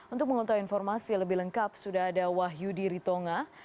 untuk mengetahui informasi lebih lengkap sudah ada wahyudi ritonga